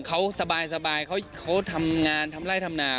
เขาสบายเขาทำงานทำไร่ทำนา